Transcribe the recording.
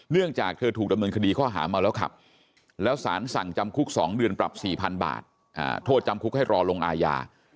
จากเธอถูกดำเนินคดีข้อหาเมาแล้วขับแล้วสารสั่งจำคุก๒เดือนปรับ๔๐๐๐บาทโทษจำคุกให้รอลงอาญา